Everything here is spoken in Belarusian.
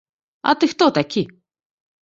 А ты хто такі?